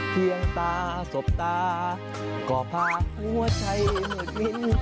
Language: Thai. เพียงตาสบตาก็พักหัวใจเหมือนบิน